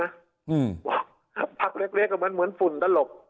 ว่าพักเล็กมันเหมือนฝุ่นตลก